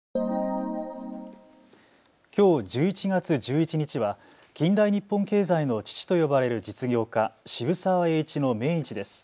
きょう１１月１１日は近代日本経済の父と呼ばれる実業家、渋沢栄一の命日です。